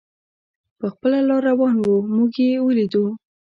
پر خپله لار روان و، موږ یې ولیدو.